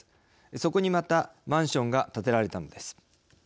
そこにまたマンションが建てられたのです。